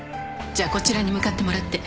じゃあこちらに向かってもらって。